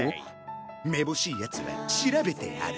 めぼしい奴は調べてある。